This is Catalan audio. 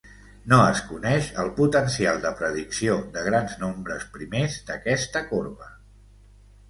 No es coneix el potencial de predicció de grans nombres primers d'aquesta corba.